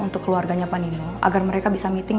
untuk keluarganya pak nining agar mereka bisa meeting